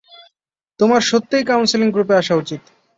তোমার সত্যিই কাউন্সেলিং গ্রুপে আসা উচিত।